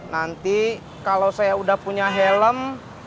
nanti kalau saya udah punya helm